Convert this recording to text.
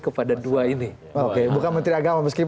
kepada dua ini oke bukan menteri agama meskipun